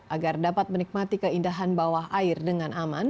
agar dapat menikmati keindahan bawah air dengan aman